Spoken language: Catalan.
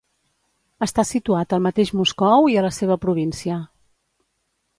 Està situat al mateix Moscou i a la seva província.